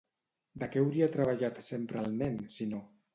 De què hauria treballat sempre el nen, si no?